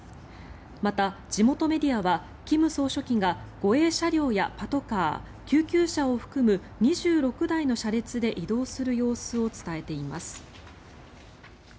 また、地元メディアは金総書記が護衛車両やパトカー救急車を含む２６台の車列で移動する様子を伝えています。